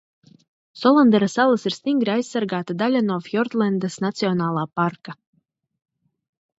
Solandera salas ir stingri aizsargāta daļa no Fjordlendas nacionālā parka.